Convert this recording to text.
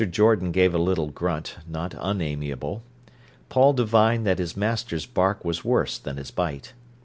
Jordan gave a little grunt, not unamiable. Paul divined that his master's bark was worse than his bite.